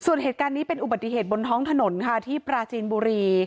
ส่วนเหตุการณ์นี้เป็นอุบัติเหตุบนท้องถนนค่ะที่ปราจีนบุรี